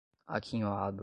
aquinhoado